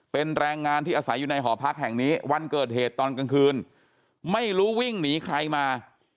เป็นแรงงานที่อาศัยอยู่ในหอพักแห่งนี้วันเกิดเหตุตอนกลางคืนไม่รู้วิ่งหนีใครมา